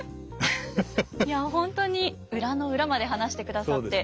いや本当に裏の裏まで話してくださって。